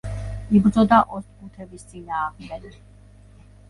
იბრძოდა ოსტგუთების წინააღმდეგ.